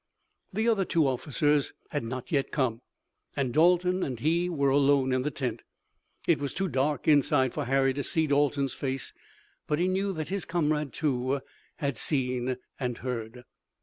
The other two officers had not yet come, and Dalton and he were alone in the tent. It was too dark inside for Harry to see Dalton's face, but he knew that his comrade, too, had seen and heard.